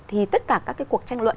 thì tất cả các cái cuộc tranh luận